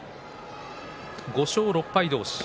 ５勝６敗同士。